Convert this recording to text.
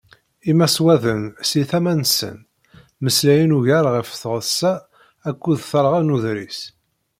Imaswaḍen si tama-nsen, mmeslayen ugar ɣef tɣessa akked talɣa n uḍris.